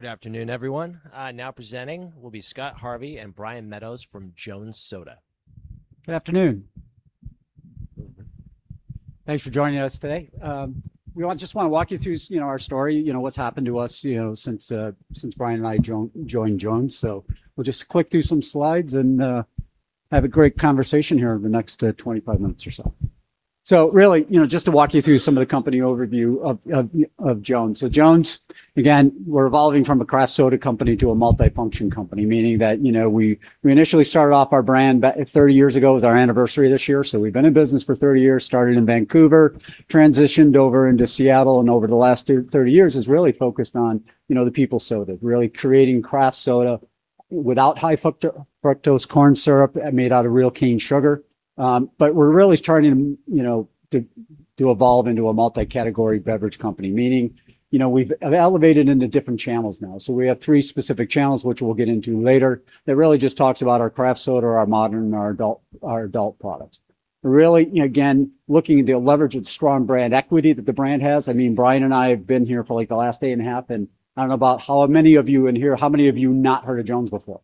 Good afternoon, everyone. Now presenting will be Scott Harvey and Brian Meadows from Jones Soda. Good afternoon. Thanks for joining us today. We just want to walk you through our story, what's happened to us since Brian and I joined Jones. We'll just click through some slides and have a great conversation here over the next 25 minutes or so. Really, just to walk you through some of the company overview of Jones. Jones, again, we're evolving from a craft soda company to a multifunction company, meaning that we initially started off our brand about 30 years ago. It was our anniversary this year. We've been in business for 30 years, started in Vancouver, transitioned over into Seattle, and over the last 30 years has really focused on the people's soda, really creating craft soda without high-fructose corn syrup and made out of real cane sugar. We're really starting to evolve into a multi-category beverage company, meaning, we've elevated into different channels now. We have three specific channels, which we'll get into later, that really just talks about our craft soda, our modern, and our adult products. Really, again, looking at the leverage of the strong brand equity that the brand has. Brian and I have been here for the last day and a half, and I don't know about how many of you in here, how many of you not heard of Jones before?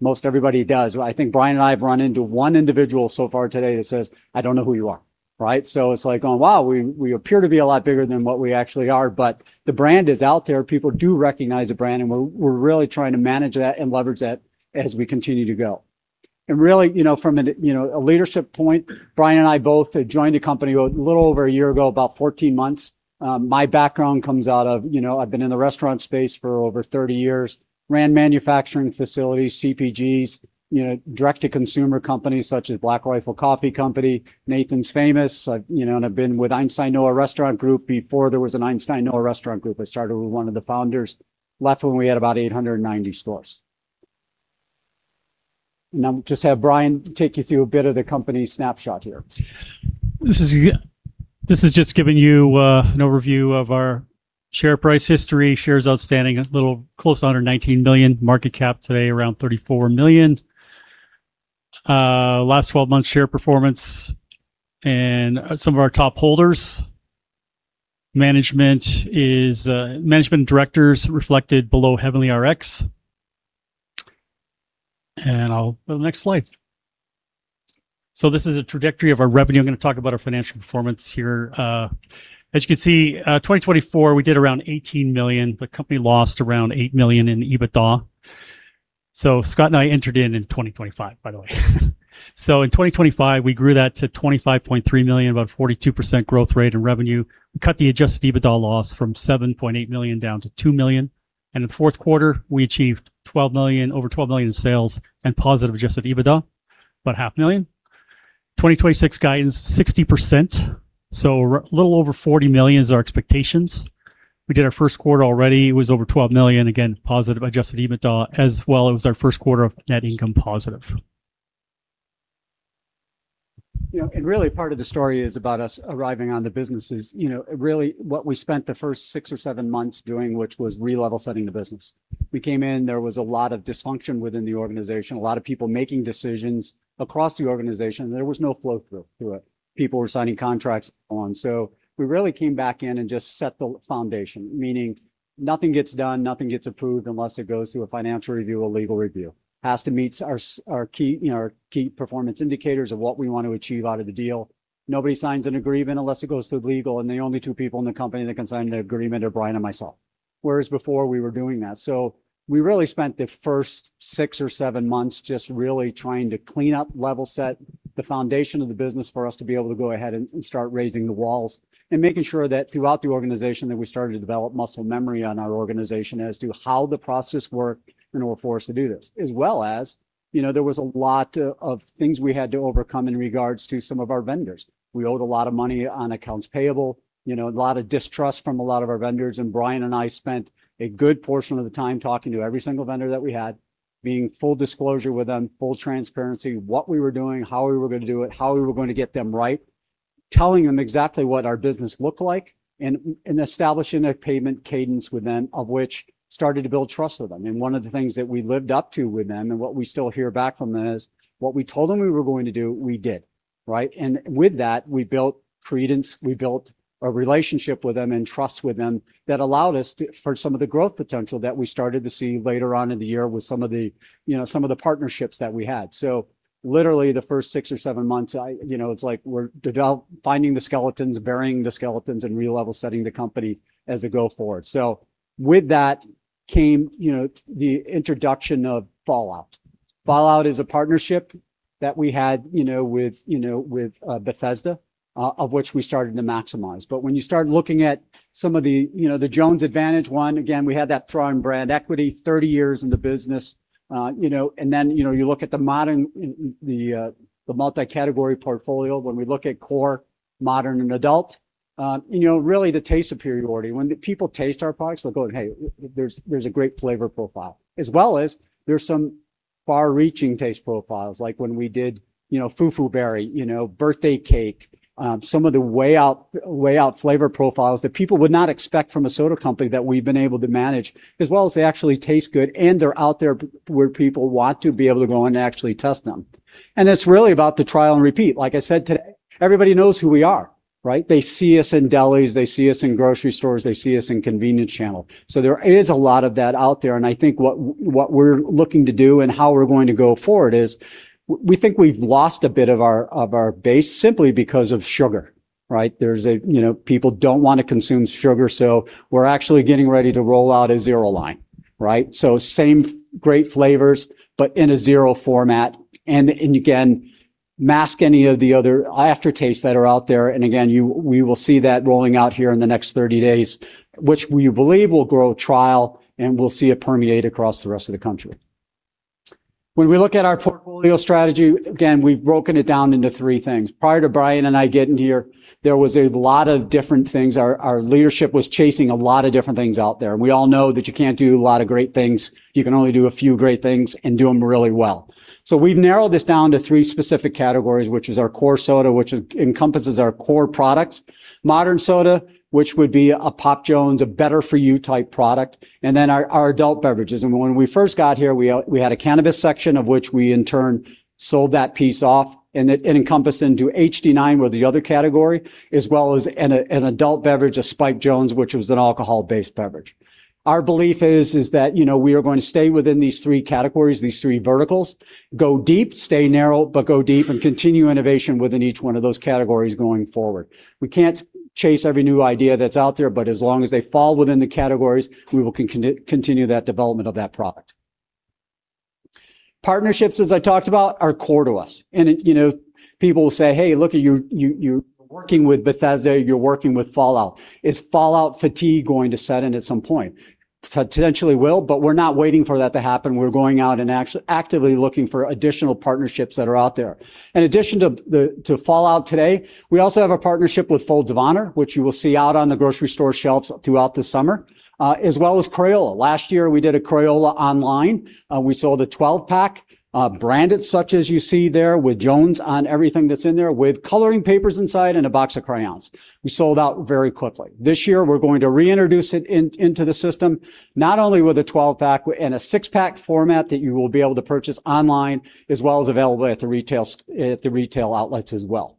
Most everybody does. I think Brian and I have run into one individual so far today that says, "I don't know who you are." Right? It's like going, wow, we appear to be a lot bigger than what we actually are. The brand is out there. People do recognize the brand, and we're really trying to manage that and leverage that as we continue to go. Really, from a leadership point, Brian and I both had joined the company a little over a year ago, about 14 months. My background comes out of, I've been in the restaurant space for over 30 years, ran manufacturing facilities, CPGs, direct-to-consumer companies such as Black Rifle Coffee Company, Nathan's Famous, and I've been with Einstein Noah Restaurant Group before there was an Einstein Noah Restaurant Group. I started with one of the founders, left when we had about 890 stores. I'll just have Brian take you through a bit of the company snapshot here. This is just giving you an overview of our share price history. Shares outstanding, a little close to $119 million. Market cap today, around $34 million. Last 12 months share performance and some of our top holders. Management directors reflected below Heavenly Rx. I'll go next slide. This is a trajectory of our revenue. I'm going to talk about our financial performance here. As you can see, 2024, we did around $18 million. The company lost around $8 million in EBITDA. Scott and I entered in in 2025, by the way. In 2025, we grew that to $25.3 million, about a 42% growth rate in revenue. Cut the adjusted EBITDA loss from $7.8 million down to $2 million. In the fourth quarter, we achieved over $12 million in sales and positive adjusted EBITDA, about $500,000. 2026 guidance, 60%, a little over $40 million is our expectations. We did our first quarter already. It was over $12 million. Again, positive adjusted EBITDA. As well, it was our first quarter of net income positive. Really part of the story is about us arriving on the businesses. Really what we spent the first six or seven months doing, which was re-level setting the business. We came in, there was a lot of dysfunction within the organization, a lot of people making decisions across the organization. There was no flow through it. People were signing contracts on. We really came back in and just set the foundation, meaning nothing gets done, nothing gets approved unless it goes through a financial review, a legal review. Has to meet our key performance indicators of what we want to achieve out of the deal. Nobody signs an agreement unless it goes through legal, and the only two people in the company that can sign the agreement are Brian and myself. Whereas before, we were doing that. We really spent the first six or seven months just really trying to clean up, level set the foundation of the business for us to be able to go ahead and start raising the walls. Making sure that throughout the organization that we started to develop muscle memory on our organization as to how the process worked in order for us to do this. As well as, there was a lot of things we had to overcome in regards to some of our vendors. We owed a lot of money on accounts payable, a lot of distrust from a lot of our vendors, and Brian and I spent a good portion of the time talking to every single vendor that we had, being full disclosure with them, full transparency, what we were doing, how we were going to do it, how we were going to get them right. Telling them exactly what our business looked like and establishing a payment cadence with them, of which started to build trust with them. One of the things that we lived up to with them, and what we still hear back from them, is what we told them we were going to do, we did. Right? With that, we built credence, we built a relationship with them and trust with them that allowed us for some of the growth potential that we started to see later on in the year with some of the partnerships that we had. Literally the first six or seven months, it's like we're finding the skeletons, burying the skeletons, and re-level setting the company as we go forward. With that came the introduction of Fallout. Fallout is a partnership that we had with Bethesda, of which we started to maximize. When you start looking at some of the Jones advantage, one, again, we had that strong brand equity, 30 years in the business. You look at the multi-category portfolio. When we look at core, modern, and adult, really the taste superiority. When people taste our products, they will go, "Hey, there's a great flavor profile." As well as there are some far-reaching taste profiles, like when we did Fufu Berry, Birthday Cake, some of the way out flavor profiles that people would not expect from a soda company that we have been able to manage. As well as they actually taste good, and they are out there where people want to be able to go and actually test them. It is really about the trial and repeat. Like I said today, everybody knows who we are. They see us in delis, they see us in grocery stores, they see us in convenience channel. There is a lot of that out there, and I think what we are looking to do and how we are going to go forward is we think we have lost a bit of our base simply because of sugar. People do not want to consume sugar, we are actually getting ready to roll out a zero line. Same great flavors, but in a zero format. Again, mask any of the other aftertastes that are out there. Again, we will see that rolling out here in the next 30 days, which we believe will grow trial, and we will see it permeate across the rest of the country. When we look at our portfolio strategy, again, we have broken it down into three things. Prior to Brian and I getting here, there was a lot of different things. Our leadership was chasing a lot of different things out there. We all know that you cannot do a lot of great things. You can only do a few great things and do them really well. We have narrowed this down to three specific categories, which is our core soda, which encompasses our core products, modern soda, which would be a Pop Jones, a better-for-you type product, and then our adult beverages. When we first got here, we had a cannabis section, of which we in turn sold that piece off, and it encompassed into HD9 or the other category, as well as an adult beverage, a Spiked Jones, which was an alcohol-based beverage. Our belief is that we are going to stay within these three categories, these three verticals, go deep, stay narrow, go deep and continue innovation within each one of those categories going forward. We cannot chase every new idea that is out there, as long as they fall within the categories, we will continue that development of that product. Partnerships, as I talked about, are core to us. People will say, "Hey, look, you are working with Bethesda, you are working with 'Fallout.' Is 'Fallout' fatigue going to set in at some point?" Potentially will, we are not waiting for that to happen. We are going out and actively looking for additional partnerships that are out there. In addition to the "Fallout" today, we also have a partnership with Folds of Honor, which you will see out on the grocery store shelves throughout the summer, as well as Crayola. Last year, we did a Crayola online. We sold a 12-pack, branded such as you see there with Jones on everything that is in there, with coloring papers inside and a box of crayons. We sold out very quickly. This year, we are going to reintroduce it into the system, not only with a 12-pack and a six-pack format that you will be able to purchase online as well as available at the retail outlets as well.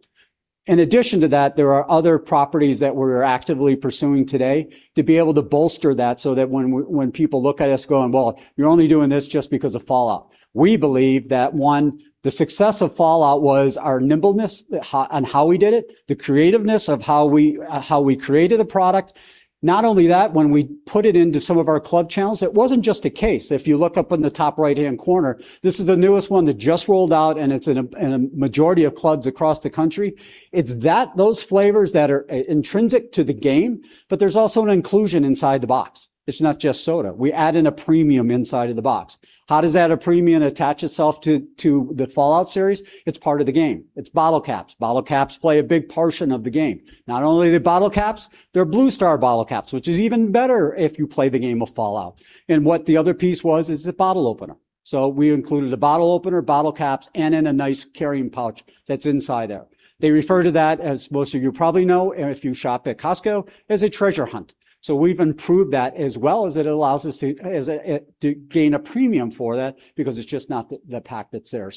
In addition to that, there are other properties that we are actively pursuing today to be able to bolster that, so that when people look at us going, "Well, you are only doing this just because of 'Fallout.'" We believe that, one, the success of "Fallout" was our nimbleness on how we did it, the creativeness of how we created a product. When we put it into some of our club channels, it was not just a case. If you look up in the top right-hand corner, this is the newest one that just rolled out, and it is in a majority of clubs across the country. It is those flavors that are intrinsic to the game, but there is also an inclusion inside the box. It is not just soda. We add in a premium inside of the box. How does that premium attach itself to the "Fallout" series? It is part of the game. It is bottle caps. Bottle caps play a big portion of the game. Not only the bottle caps, they are Blue Star bottle caps, which is even better if you play the game of "Fallout." What the other piece was is a bottle opener. We included a bottle opener, bottle caps, and in a nice carrying pouch that is inside there. They refer to that, as most of you probably know if you shop at Costco, as a treasure hunt. We have improved that as well as it allows us to gain a premium for that because it is just not the pack that is there.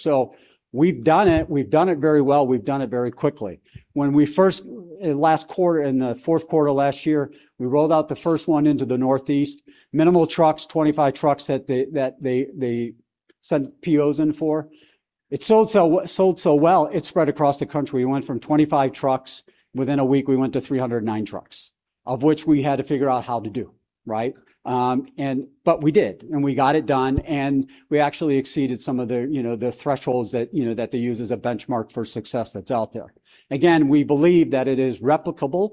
We have done it. We have done it very well. We have done it very quickly. In the fourth quarter last year, we rolled out the first one into the Northeast. Minimal trucks, 25 trucks that they sent POs in for. It sold so well, it spread across the country. We went from 25 trucks, within a week, we went to 309 trucks, of which we had to figure out how to do. We did, and we got it done, and we actually exceeded some of the thresholds that they use as a benchmark for success that is out there. Again, we believe that it is replicable,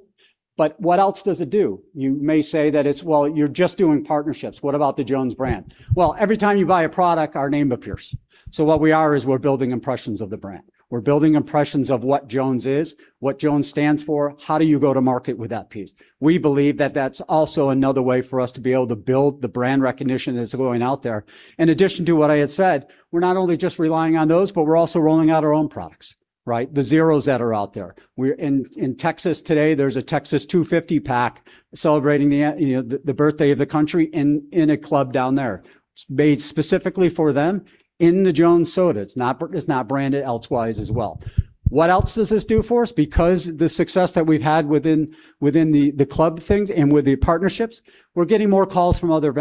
what else does it do? You may say that it is, "Well, you are just doing partnerships. What about the Jones brand?" Every time you buy a product, our name appears. What we are is we are building impressions of the brand. We are building impressions of what Jones is, what Jones stands for. How do you go to market with that piece? We believe that that is also another way for us to be able to build the brand recognition that is going out there. In addition to what I had said, we are not only just relying on those, but we are also rolling out our own products. The zeros that are out there. In Texas today, there's a Texas 250 pack celebrating the birthday of the country in a club down there. It's made specifically for them in the Jones Soda. It's not branded elsewise as well. What else does this do for us? The success that we've had within the club chains and with the partnerships, we're getting more calls from other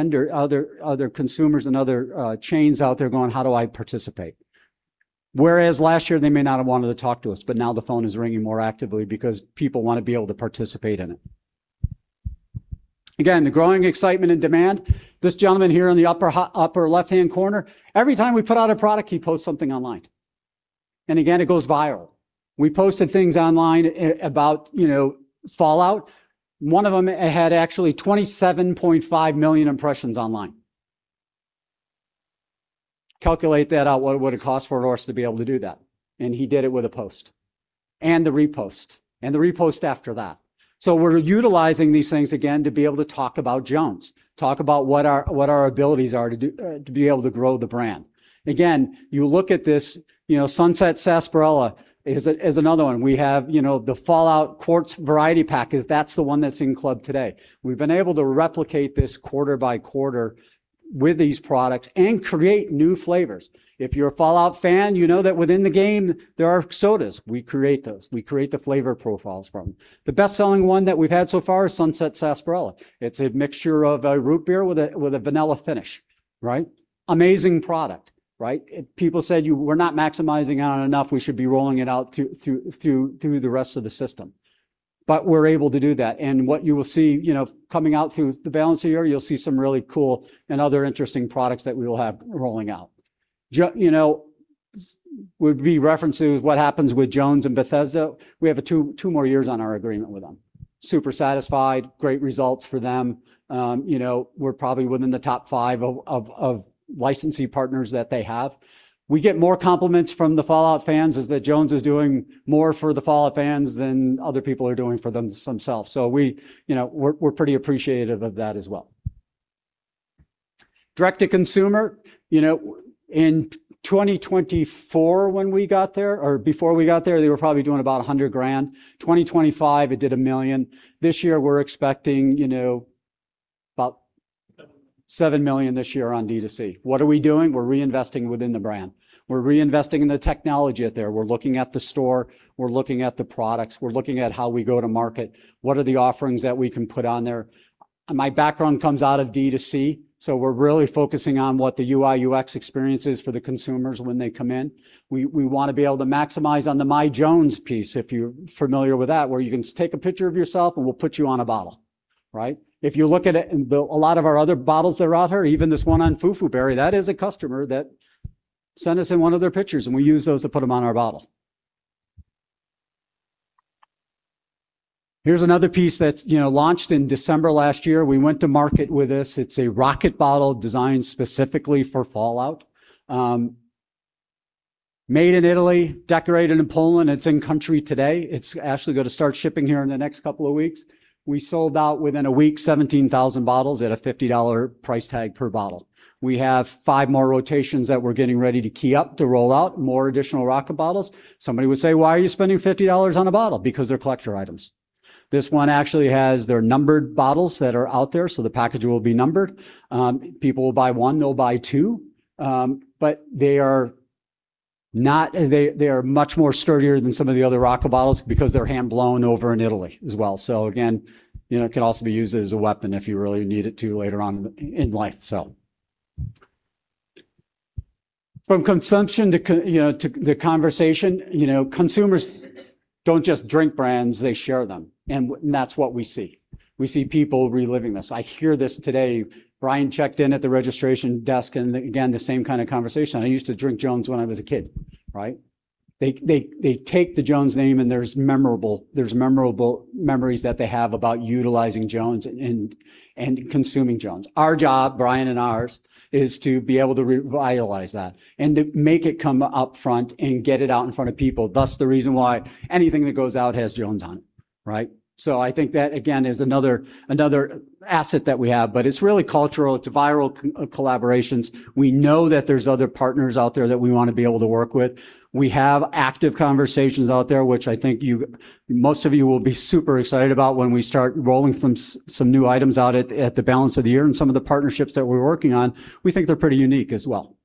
consumers and other chains out there going, "How do I participate?" Whereas last year, they may not have wanted to talk to us, but now the phone is ringing more actively because people want to be able to participate in it. Again, the growing excitement and demand. This gentleman here in the upper left-hand corner, every time we put out a product, he posts something online. Again, it goes viral. We posted things online about "Fallout." One of them had actually 27.5 million impressions online. Calculate that out, what it would cost for us to be able to do that. He did it with a post, and the repost, and the repost after that. We're utilizing these things again to be able to talk about Jones, talk about what our abilities are to be able to grow the brand. Again, you look at this, Sunset Sarsaparilla is another one. We have the "Fallout Quantum variety pack" is the one that's in club today. We've been able to replicate this quarter by quarter with these products and create new flavors. If you're a Fallout fan, you know that within the game, there are sodas. We create those. We create the flavor profiles from them. The best-selling one that we've had so far is Sunset Sarsaparilla. It's a mixture of a root beer with a vanilla finish, right? Amazing product. People said we're not maximizing it enough, we should be rolling it out through the rest of the system. We're able to do that. What you will see coming out through the balance of the year, you'll see some really cool and other interesting products that we will have rolling out. We reference to what happens with Jones and Bethesda. We have two more years on our agreement with them. Super satisfied, great results for them. We're probably within the top five of licensing partners that they have. We get more compliments from the Fallout fans is that Jones is doing more for the Fallout fans than other people are doing for themselves. We're pretty appreciative of that as well. Direct-to-consumer. In 2024 when we got there, or before we got there, they were probably doing about $100,000. 2025, it did $1 million. This year we're expecting about. $7 million. $7 million this year on D2C. What are we doing? We're reinvesting within the brand. We're reinvesting in the technology out there. We're looking at the store, we're looking at the products, we're looking at how we go to market. What are the offerings that we can put on there? My background comes out of D2C, so we're really focusing on what the UI/UX experience is for the consumers when they come in. We want to be able to maximize on the MyJones piece, if you're familiar with that, where you can take a picture of yourself and we'll put you on a bottle. If you look at it, a lot of our other bottles that are out there, even this one on Fufu Berry, that is a customer that sent us in one of their pictures, and we use those to put them on our bottle. Here's another piece that launched in December last year. We went to market with this. It's a rocket bottle designed specifically for Fallout. Made in Italy, decorated in Poland. It's in country today. It's actually going to start shipping here in the next couple of weeks. We sold out within a week, 17,000 bottles at a $50 price tag per bottle. We have five more rotations that we're getting ready to key up to roll out more additional rocket bottles. Somebody would say, "Why are you spending $50 on a bottle?" Because they're collector items. This one actually has their numbered bottles that are out there, so the packaging will be numbered. People will buy one, they'll buy two. They are much sturdier than some of the other rocket bottles because they're hand-blown over in Italy as well. Again, it can also be used as a weapon if you really need it to later on in life. From consumption to the conversation, consumers don't just drink brands, they share them. That's what we see. We see people reliving this. I hear this today. Brian checked in at the registration desk, again, the same kind of conversation. "I used to drink Jones when I was a kid." They take the Jones name, there's memorable memories that they have about utilizing Jones and consuming Jones. Our job, Brian and ours, is to be able to revitalize that and to make it come up front and get it out in front of people. Thus, the reason why anything that goes out has Jones on. I think that, again, is another asset that we have. It's really cultural, it's viral collaborations. We know that there's other partners out there that we want to be able to work with. We have active conversations out there, which I think most of you will be super excited about when we start rolling some new items out at the balance of the year, some of the partnerships that we're working on, we think they're pretty unique as well.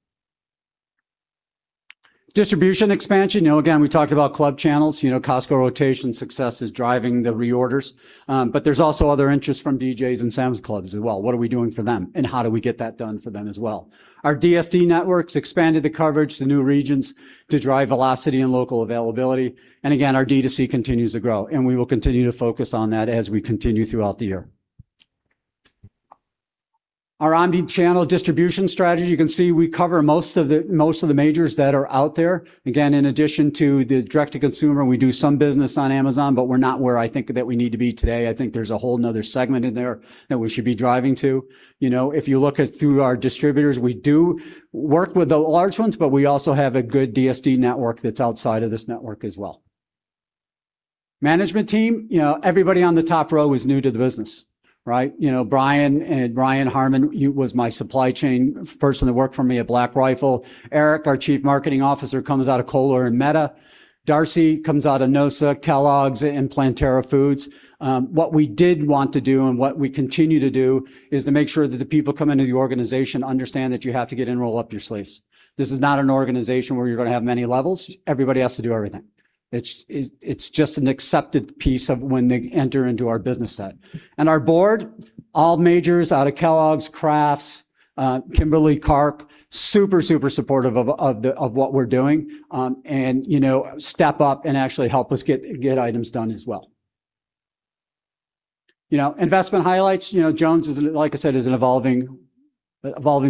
Distribution expansion. Again, we talked about club channels. Costco rotation success is driving the reorders. There's also other interest from BJ's and Sam's Clubs as well. What are we doing for them, how do we get that done for them as well? Our DSD networks expanded the coverage to new regions to drive velocity and local availability. Again, our D2C continues to grow, and we will continue to focus on that as we continue throughout the year. Our omnichannel distribution strategy, you can see we cover most of the majors that are out there. In addition to the direct-to-consumer, we do some business on Amazon, but we're not where I think that we need to be today. I think there's a whole another segment in there that we should be driving to. If you look at through our distributors, we do work with the large ones, but we also have a good DSD network that's outside of this network as well. Management team. Everybody on the top row is new to the business. Brian Harmon was my supply chain person that worked for me at Black Rifle. Eric, our Chief Marketing Officer, comes out of Kohler and Meta. Darcy comes out of noosa, Kellogg's, and Planterra Foods. What we did want to do and what we continue to do is to make sure that the people coming to the organization understand that you have to get in, roll up your sleeves. This is not an organization where you're going to have many levels. Everybody has to do everything. It's just an accepted piece of when they enter into our business set. Our board, all majors out of Kellogg's, Kraft, Kimberly-Clark. Super supportive of what we're doing. Step up and actually help us get items done as well. Investment highlights. Jones, like I said, is an evolving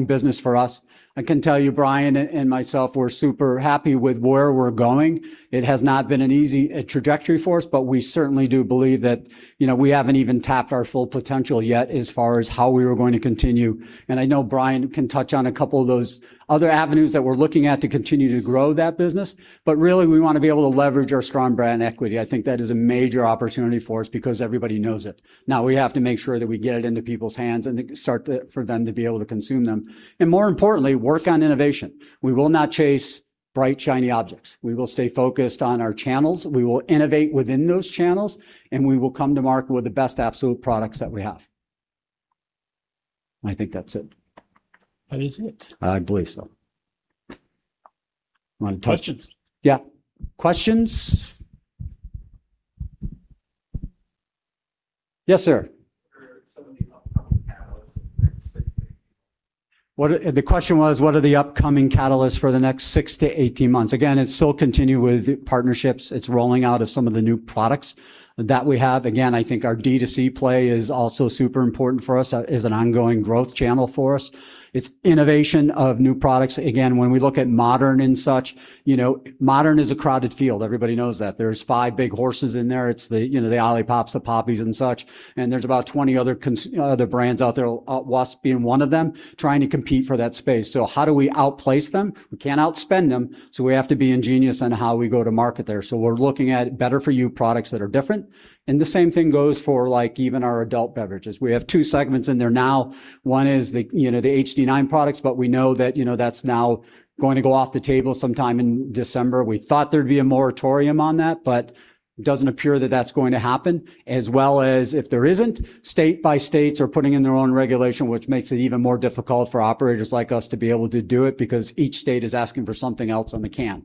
business for us. I can tell you, Brian and myself, we're super happy with where we're going. It has not been an easy trajectory for us, but we certainly do believe that we haven't even tapped our full potential yet as far as how we are going to continue. I know Brian can touch on a couple of those other avenues that we're looking at to continue to grow that business. Really, we want to be able to leverage our strong brand equity. I think that is a major opportunity for us because everybody knows it. Now we have to make sure that we get it into people's hands and start for them to be able to consume them. More importantly, work on innovation. We will not chase bright, shiny objects. We will stay focused on our channels, we will innovate within those channels, and we will come to market with the best absolute products that we have. I think that's it. That is it. I believe so. Questions? Yeah. Questions? Yes, sir. What are some of the upcoming catalysts in the next 6-18 months? The question was, what are the upcoming catalysts for the next 6-18 months? Again, it's still continue with partnerships. It's rolling out of some of the new products that we have. Again, I think our D2C play is also super important for us, is an ongoing growth channel for us. It's innovation of new products. Again, when we look at modern and such, modern is a crowded field. Everybody knows that. There's five big horses in there. It's the Olipop, the Poppi, and such, and there's about 20 other brands out there, us being one of them, trying to compete for that space. How do we outplace them? We can't outspend them, so we have to be ingenious in how we go to market there. We're looking at better-for-you products that are different. The same thing goes for even our adult beverages. We have two segments in there now. One is the HD9 products, but we know that's now going to go off the table sometime in December. We thought there'd be a moratorium on that, but doesn't appear that that's going to happen. As well as if there isn't, state by states are putting in their own regulation, which makes it even more difficult for operators like us to be able to do it because each state is asking for something else on the can.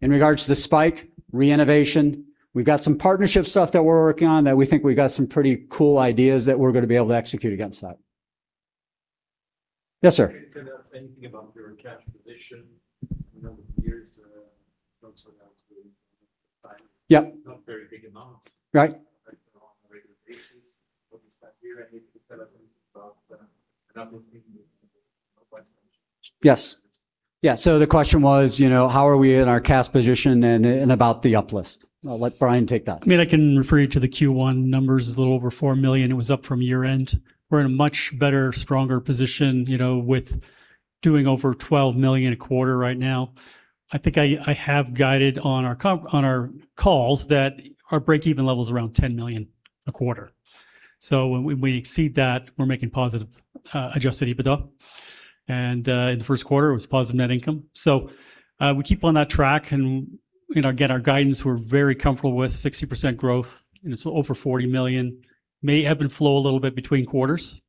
In regards to the Spiked re-innovation, we've got some partnership stuff that we're working on that we think we got some pretty cool ideas that we're going to be able to execute against that. Yes, sir. Can you tell us anything about your cash position? I know over the years Yeah. Not very big amounts. Right. Regulations. Yes. The question was, how are we in our cash position and about the uplist. I'll let Brian take that. I mean, I can refer you to the Q1 numbers, is a little over $4 million. It was up from year-end. We're in a much better, stronger position with doing over $12 million a quarter right now. I think I have guided on our calls that our break-even level is around $10 million a quarter. When we exceed that, we're making positive adjusted EBITDA, and in the first quarter, it was positive net income. We keep on that track and get our guidance. We're very comfortable with 60% growth, and it's over $40 million. May ebb and flow a little bit between quarters.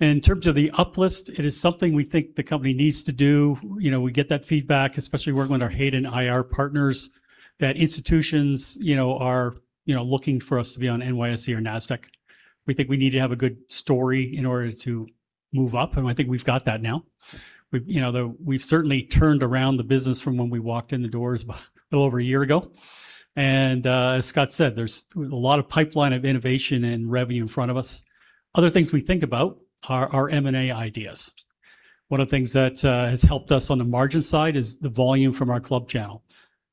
In terms of the uplist, it is something we think the company needs to do. We get that feedback, especially working with our Hayden IR partners, that institutions are looking for us to be on NYSE or Nasdaq. We think we need to have a good story in order to move up, and I think we've got that now. We've certainly turned around the business from when we walked in the doors a little over a year ago, and as Scott said, there's a lot of pipeline of innovation and revenue in front of us. Other things we think about are our M&A ideas. One of the things that has helped us on the margin side is the volume from our club channel.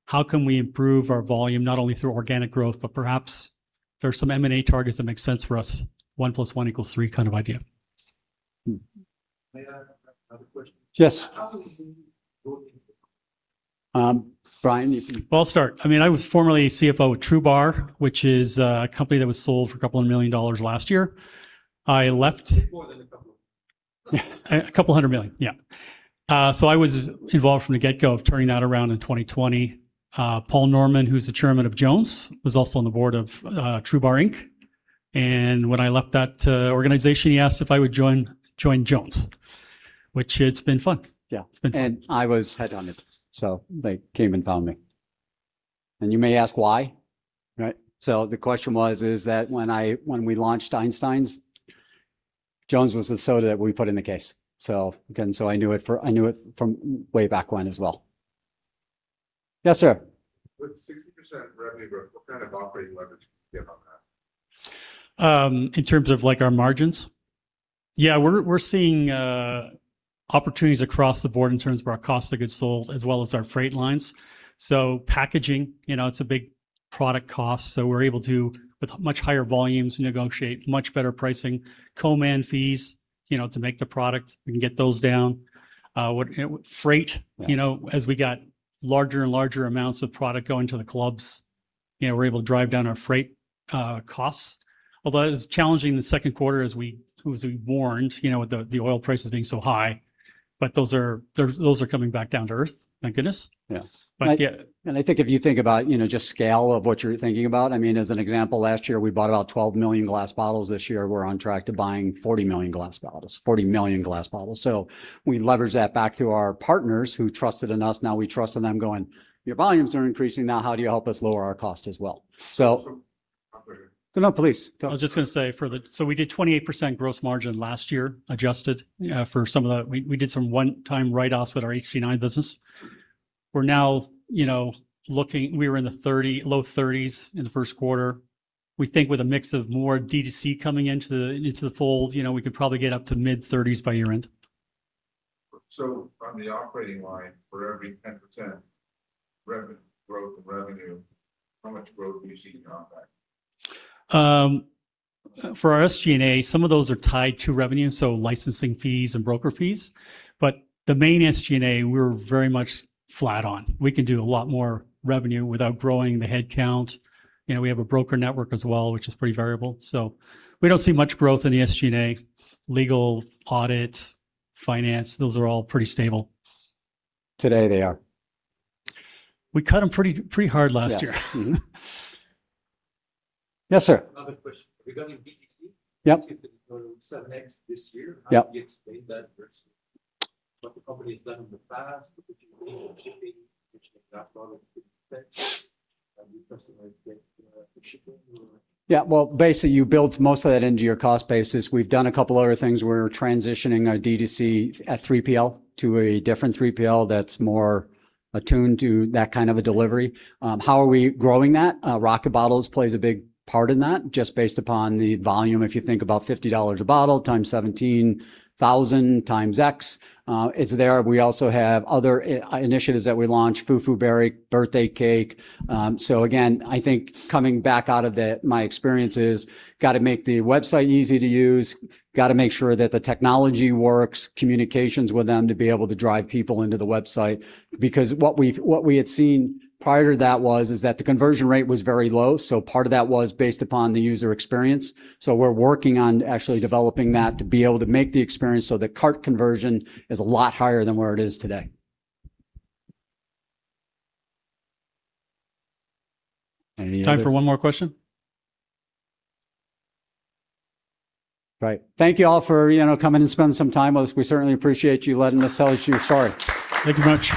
How can we improve our volume not only through organic growth, but perhaps there's some M&A targets that make sense for us, one plus one equals three kind of idea. May I ask another question? Yes. How did you Brian, you can. Well, I'll start. I was formerly CFO at TRUBAR, which is a company that was sold for a couple of million dollars last year. I left. I meant more than a couple. A couple hundred million, yeah. I was involved from the get-go of turning that around in 2020. Paul Norman, who's the Chairman of Jones, was also on the board of Trubar Inc. When I left that organization, he asked if I would join Jones, which it's been fun. Yeah. It's been fun. I was head hunted, so they came and found me. You may ask why, right? The question was, is that when we launched Einstein's, Jones was the soda that we put in the case. Again, so I knew it from way back when as well. Yes, sir. With 60% revenue growth, what kind of operating leverage can you get on that? In terms of our margins? Yeah, we're seeing opportunities across the board in terms of our cost of goods sold as well as our freight lines. Packaging, it's a big product cost, so we're able to, with much higher volumes, negotiate much better pricing. Co-man fees to make the product, we can get those down. Yeah. As we got larger and larger amounts of product going to the clubs, we're able to drive down our freight costs. Although it was challenging in the second quarter, as we warned, with the oil prices being so high, those are coming back down to earth, thank goodness. Yeah. Yeah. I think if you think about just scale of what you're thinking about, as an example, last year we bought about 12 million glass bottles. This year, we're on track to buying 40 million glass bottles. 40 million glass bottles. We leverage that back through our partners who trusted in us, now we trust in them going, "Your volumes are increasing. Now how do you help us lower our cost as well?" No, please. Go. I was just going to say, we did 28% gross margin last year, adjusted. We did some one-time write-offs with our HD9 business. We're now looking, we were in the low 30s in the first quarter. We think with a mix of more D2C coming into the fold, we could probably get up to mid-30s by year-end. From the operating line, for every 10% growth of revenue, how much growth are you seeing in OpEx? For our SG&A, some of those are tied to revenue, licensing fees and broker fees. The main SG&A, we're very much flat on. We can do a lot more revenue without growing the headcount. We have a broker network as well, which is pretty variable. We don't see much growth in the SG&A. Legal, audit, finance, those are all pretty stable. Today they are. We cut them pretty hard last year. Yes. Yes, sir. Another question. Regarding D2C. Yep. You said next this year. Yep. How do you explain that versus what the company has done in the past with the shipping, which shipping? Well, basically, you build most of that into your cost basis. We've done a couple other things. We're transitioning our D2C at 3PL to a different 3PL that's more attuned to that kind of a delivery. How are we growing that? Rocket Bottle plays a big part in that, just based upon the volume. If you think about $50 a bottle times 17,000 times X, it's there. We also have other initiatives that we launched, Fufu Berry, Birthday Cake. Again, I think coming back out of it, my experience is got to make the website easy to use, got to make sure that the technology works, communications with them to be able to drive people into the website. Because what we had seen prior to that was, is that the conversion rate was very low, part of that was based upon the user experience. We're working on actually developing that to be able to make the experience so that cart conversion is a lot higher than where it is today. Any other? Time for one more question? Right. Thank you all for coming in to spend some time with us. We certainly appreciate you letting us tell you our story. Thank you very much.